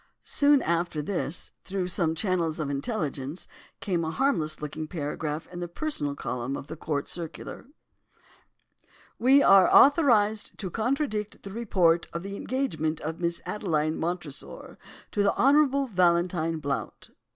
"Soon after this, through some channels of intelligence, came a harmless looking paragraph in the personal column of the Court Circular:—'We are authorised to contradict the report of the engagement of Miss Adeline Montresor to the Honourable Valentine Blount.